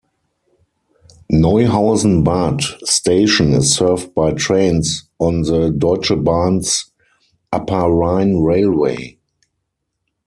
Neuhausen Bad station is served by trains on the Deutsche Bahn's Upper Rhine Railway.